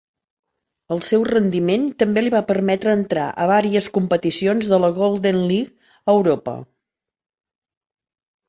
El seu rendiment també li va permetre entrar a vàries competicions de la Golden League a Europa.